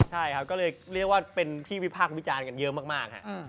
ใช่ครับก็เลยเรียกว่าเป็นที่วิพากษ์วิจารณ์กันเยอะมาก